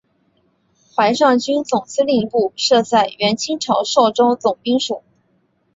淮上军总司令部设在原清朝寿州总兵署。